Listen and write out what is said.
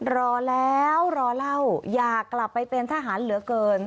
รอแล้วรอเล่าอยากกลับไปเป็นทหารเหลือเกิน